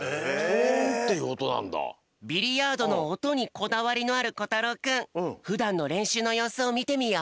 ビリヤードのおとにこだわりのあるこたろうくんふだんのれんしゅうのようすをみてみよう。